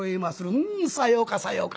「うんさようかさようか。